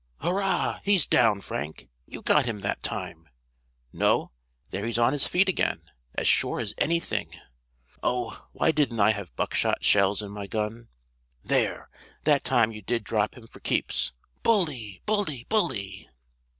"Hurrah; he's down, Frank; you got him that time! No, there he's on his feet again, as sure as anything. Oh, why didn't I have buckshot shells in my gun? There! That time you did drop him for keeps! Bully! bully! bully!"